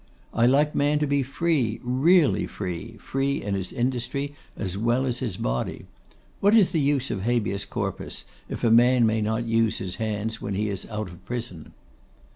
I like man to be free, really free: free in his industry as well as his body. What is the use of Habeas Corpus, if a man may not use his hands when he is out of prison?